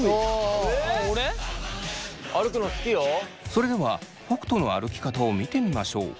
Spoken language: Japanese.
それでは北斗の歩き方を見てみましょう。